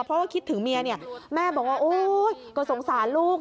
เพราะว่าคิดถึงเมียเนี่ยแม่บอกว่าโอ๊ยก็สงสารลูก